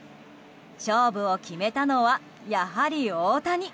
勝負を決めたのはやはり大谷。